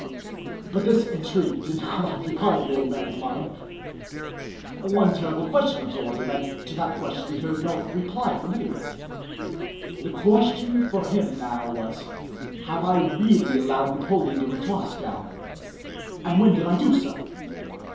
But this intrigue did not now occupy the old man's mind. One terrible question absorbed him and to that question he heard no reply from anyone. The question for him now was: "Have I really allowed Napoleon to reach Moscow, and when did I do so?